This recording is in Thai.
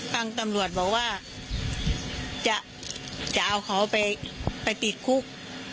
ทางตำรวจบอกว่าจะเอาเขาไปติดคุก